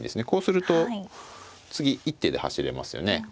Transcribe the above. こうすると次一手で走れますよね。